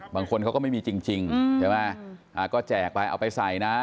บางคนเขาก็ไม่มีจริงใช่ไหมก็แจกไปเอาไปใส่นะ